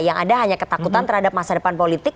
yang ada hanya ketakutan terhadap masa depan politik